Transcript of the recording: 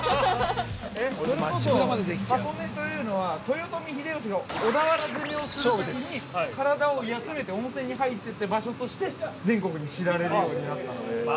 ◆それこそ箱根というのは豊臣秀吉が小田原攻めをするときに体を休めて温泉に入った場所として全国に知られるようになったので。